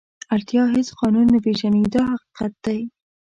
اړتیا هېڅ قانون نه پېژني دا حقیقت دی.